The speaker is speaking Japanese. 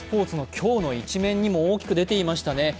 ツの今日の１面にも大きく出ていましたね。